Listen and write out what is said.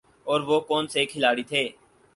اور وہ کون سے کھلاڑی تھے ۔